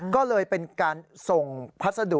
ก็เลยเป็นการส่งพัสดุ